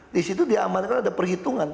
disitu diamankan ada perhitungan